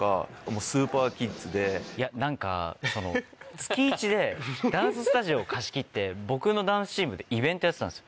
いや何か月１でダンススタジオを貸し切って僕のダンスチームでイベントをやってたんですよ。